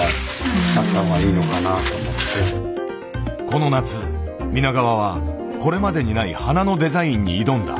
この夏皆川はこれまでにない花のデザインに挑んだ。